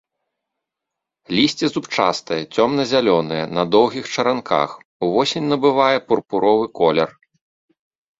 Лісце зубчастае, цёмна-зялёнае, на доўгіх чаранках, увосень набывае пурпуровы колер.